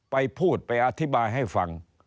ไปพูดไปอธิบายให้ฟัง